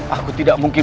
aku tidak mungkin